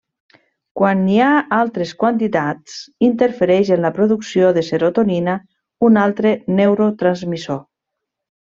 Quan n'hi ha altes quantitats, interfereix en la producció de serotonina, un altre neurotransmissor.